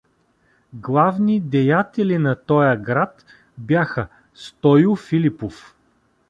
Главни деятели на тоя град бяха: Стою Филипов.